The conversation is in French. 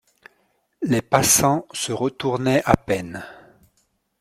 Les passants se retournaient à peine.